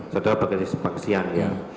saudara bekerja pada si pagi siang